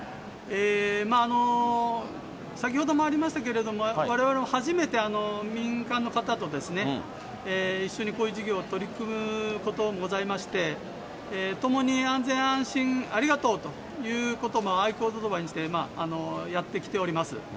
先ほどもありましたけれども、われわれも初めて民間の方と一緒にこういう事業を取り組むことございまして、ともに安全安心ありがとうということを合言葉にしてやってきております。